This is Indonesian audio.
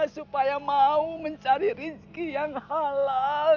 supaya mau mencari rizki yang halal